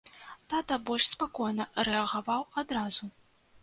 Тата больш спакойна рэагаваў адразу.